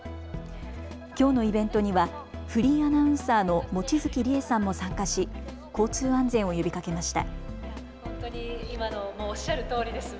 きょうのイベントにはフリーアナウンサーの望月理恵さんも参加し交通安全を呼びかけました。